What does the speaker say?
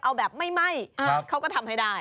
เอาแบบไม่ไหม้เขาก็ทำให้ได้